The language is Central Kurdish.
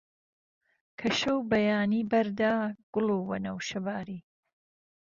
کە شەو بەیانی بەردا، گوڵ و وەنەوشە باری